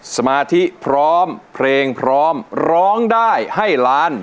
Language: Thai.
สมาธิพร้อมเพลงพร้อมร้องได้ให้ล้าน